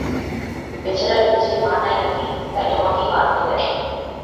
বেচারার নিজের মা নাই নাকি, তাই তোমাকেই মার মতো দেখেন।